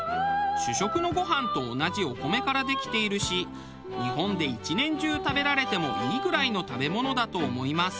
主食のごはんと同じお米からできているし日本で１年中食べられてもいいぐらいの食べ物だと思います。